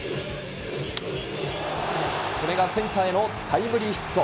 これがセンターへのタイムリーヒット。